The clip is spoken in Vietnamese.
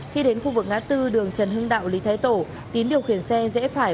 khi đến khu vực ngã tư đường trần hưng đạo lý thái tổ tín điều khiển xe dễ phải